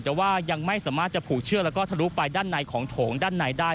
แต่ว่ายังไม่สามารถจะผูกเชือกแล้วก็ทะลุไปด้านในของโถงด้านในได้